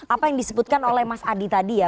apa yang disebutkan oleh mas adi tadi ya